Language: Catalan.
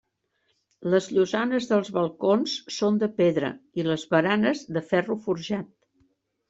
Les llosanes dels balcons són de pedra i les baranes de ferro forjat.